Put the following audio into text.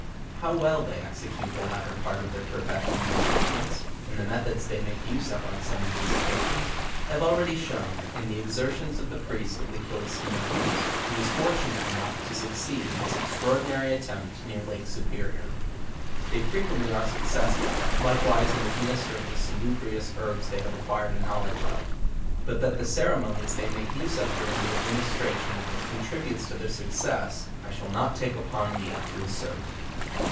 How wel) they execute the latter part of their profession al engagements, and the methods they make use of on some of these occasions, I have already shewn in the exertions of the priest of the Killistinoes, who was fortunate enough to succeed in his extraordinary attempt near Lake Superior. They frequently are successful , likewise in administering the salubrious herbs they have acquired a knowledge cf; but that the ceremonies they make use of during the administration of them contributes to their succes, I shall not take upon me to assert.